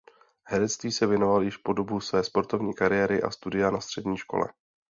Herectví se věnoval již po dobu své sportovní kariéry a studia na střední škole.